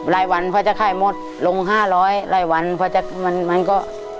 รายหวันพอจะขายหมดลงห้าร้อยรายหวันพอจะมันมันก็